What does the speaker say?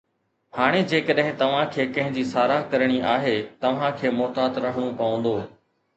هاڻي جيڪڏهن توهان کي ڪنهن جي ساراهه ڪرڻي آهي، توهان کي محتاط رهڻو پوندو